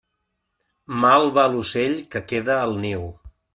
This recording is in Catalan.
Mal va l'ocell que queda al niu.